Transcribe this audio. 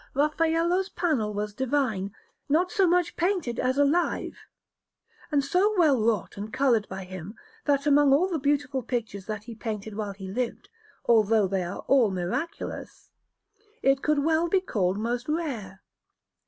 Raffaello's panel was divine, not so much painted as alive, and so well wrought and coloured by him, that among all the beautiful pictures that he painted while he lived, although they are all miraculous, it could well be called most rare.